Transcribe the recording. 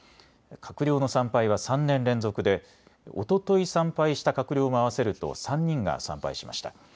閣僚の参拝は３年連続でおととい参拝した閣僚も合わせると３人が参拝しました。